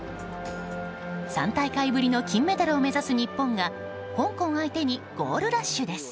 ３大会ぶりの金メダルを目指す日本が香港相手にゴールラッシュです。